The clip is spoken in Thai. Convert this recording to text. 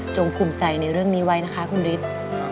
ภูมิใจในเรื่องนี้ไว้นะคะคุณฤทธิ์